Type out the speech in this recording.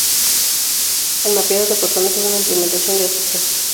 El mapeado de fotones es una implementación de este proceso.